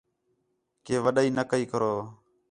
کہ وݙائی نہ کَئی کرو